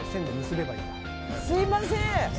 すみません。